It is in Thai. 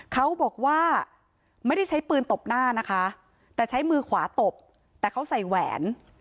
เขาบอกว่าไม่ได้ใช้ปืนตบหน้านะคะแต่ใช้มือขวาตบแต่เขาใส่แหวน